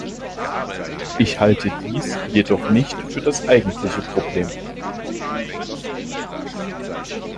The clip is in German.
Ich halte dies jedoch nicht für das eigentliche Problem.